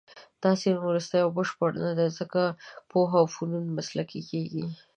دا سیند وروستۍ او بشپړه نه دی، ځکه پوهه او فنون مسلکي کېږي.